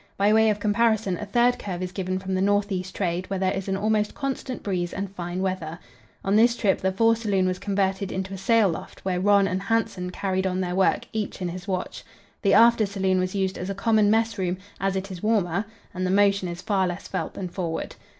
By way of comparison a third curve is given from the north east trade, where there is an almost constant breeze and fine weather. On this trip the fore saloon was converted into a sail loft, where Rönne and Hansen carried on their work, each in his watch. The after saloon was used as a common mess room, as it is warmer, and the motion is far less felt than forward.